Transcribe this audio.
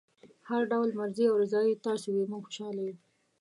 هر ډول مرضي او رضای تاسو وي موږ خوشحاله یو.